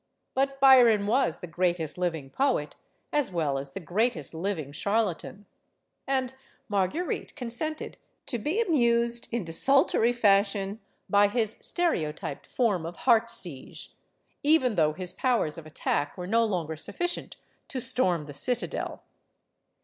But Byron was the greatest living poet, as well as the greatest living charlatan. And Marguerite consented to be amused, in desultory fashion, by his stereotyped form "THE MOST GORGEOUS LADY BLESSINGTON" 217 of heart siege; even though his powers of attack were no longer sufficient to storm the citadel.